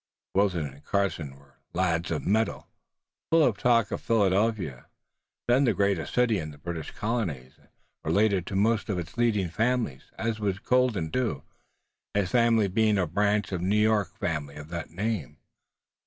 Wilton and Carson were lads of mettle, full of talk of Philadelphia, then the greatest city in the British Colonies, and related to most of its leading families, as was Colden too, his family being a branch of the New York family of that name.